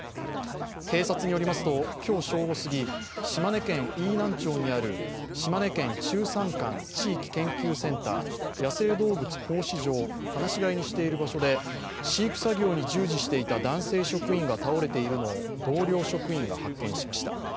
警察によりますと今日正午すぎ島根県飯南町にある島根県中山間地域研究センター野生動物放飼場で放し飼いにしている場所で飼育作業に従事している職員が倒れているのを同僚の職員が発見しました。